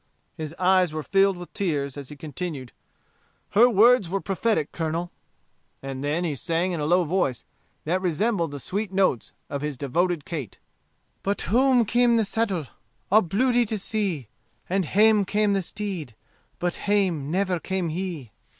His eyes were filled with tears, as he continued, 'Her words were prophetic, Colonel," and then he sang in a low voice, that resembled the sweet notes of his own devoted Kate: 'But toom cam' the saddle, all bluidy to see, And hame came the steed, but hame never came he.'